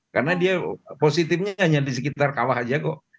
karena dia positifnya hanya di sekitar kawah saja kok